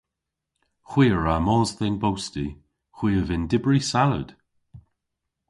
Hwi a wra mos dhe'n bosti. Hwi a vynn dybri salad.